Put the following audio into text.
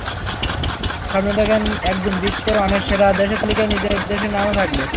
স্বপ্ন দেখেন একদিন বিশ্বের অনেক সেরা দেশের তালিকায় নিজের দেশের নামও থাকবে।